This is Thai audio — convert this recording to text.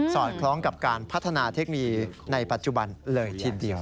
อดคล้องกับการพัฒนาเทคโนโลยีในปัจจุบันเลยทีเดียว